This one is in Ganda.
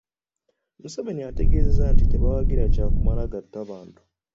Museveni ategeezezza nti tebawagira kya kumala gatta bantu.